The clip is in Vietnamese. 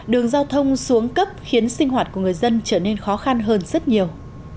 đường giao thông xuống cấp khiến sinh hoạt của người dân trở nên khó khăn hơn rất nhiều